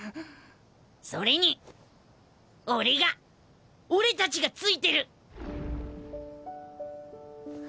それに俺が俺たちが付いてる。